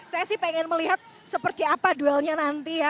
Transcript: saya sih pengen melihat seperti apa duelnya nanti ya